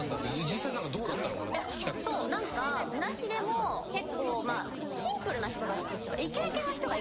村重も結構まあシンプルな人が好きっていうか。